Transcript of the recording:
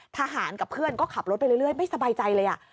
ทหารกับเพื่อนก็ขับรถไปเรื่อยไม่สบายใจเลย